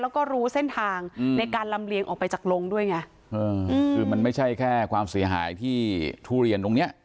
แล้วก็รู้เส้นทางในการลำเลียงออกไปจากลงด้วยไงคือมันไม่ใช่แค่ความเสียหายที่ทุเรียนตรงเนี้ย